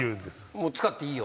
もう使っていいよって？